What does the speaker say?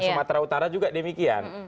sumatera utara juga demikian